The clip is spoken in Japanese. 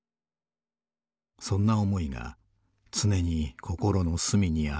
そんな思いがつねに心の隅にある」。